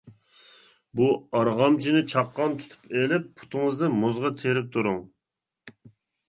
بۇ ئارغامچىنى چاققان تۇتۇپ ئېلىپ، پۇتىڭىزنى مۇزغا تىرىپ تۇرۇڭ!